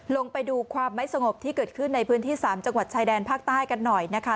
ลงไปดูความไม่สงบที่เกิดขึ้นในพื้นที่๓จังหวัดชายแดนภาคใต้กันหน่อยนะคะ